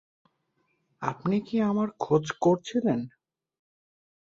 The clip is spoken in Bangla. আপনি কি আমার খোঁজ করছিলেন?